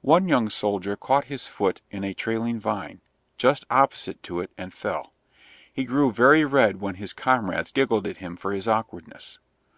One young soldier caught his foot in a trailing vine, just opposite to it, and fell. He grew very red when his comrades giggled at him for his awkwardness.